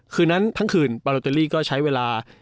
คืนนั้นทั้งคืนปาโลเตอรี่ก็ใช้เวลา